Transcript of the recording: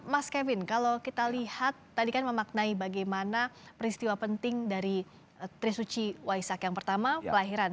mas kevin kalau kita lihat tadi kan memaknai bagaimana peristiwa penting dari trisuci waisak yang pertama kelahiran